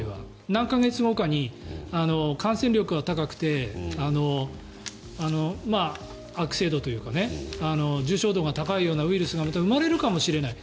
何か月後かに感染力が高くて悪性度というか重症度が高いようなウイルスが生まれるかもしれない。